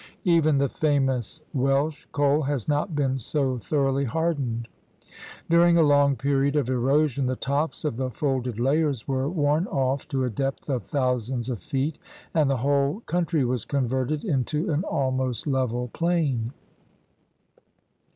Even the famous Welsh coal has not been so thoroughly hardened. During a long period of erosion the tops of the folded layers were worn off to a depth of thousands of feet and the whole coun try was converted into an almost level plain.